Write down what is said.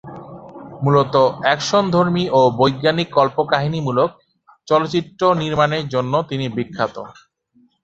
মূলত অ্যাকশনধর্মী ও বৈজ্ঞানিক কল্পকাহিনীমূলক চলচ্চিত্র নির্মাণের জন্য তিনি বিখ্যাত।